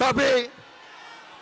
tapi kita harus bangkit